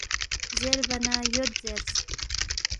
زیربا نہ ”یود“ زیرس